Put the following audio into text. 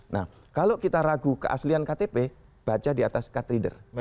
nah kalau kita ragu keaslian ktp baca di atas card reader